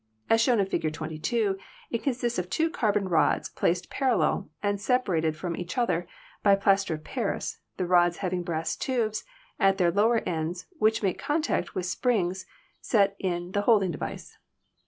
As shown in Fig. 22, it consists of two carbon rods placed parallel, and sepa rated from each other by plaster of paris, the rods having brass tubes at their lower ends which make contact with springs set in the holding device.